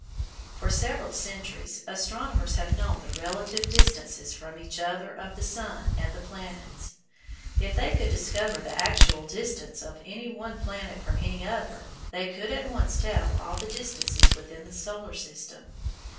For several centuries astronomers have known the relative distances from each other of the sun and the planets. If they could discover the actual distance of any one planet from any other, they could at once tell all the distances within the Solar System.